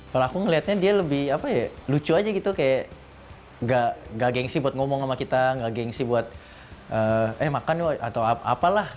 kalau aku ngeliatnya dia lebih apa ya lucu aja gitu kayak gak gengsi buat ngomong sama kita nggak gengsi buat eh makan atau apalah